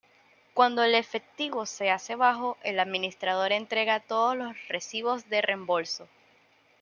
Cuando el efectivo se hace bajo, el administrador entrega todos los recibos de reembolso.